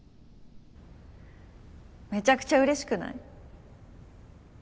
めちゃくちゃ嬉しくない？